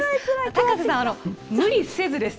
高瀬さん、無理せずです。